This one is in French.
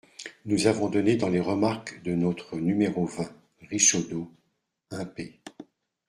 Nous avons donné, dans les remarques de notre nº vingt, _Richedeau_ (un, p.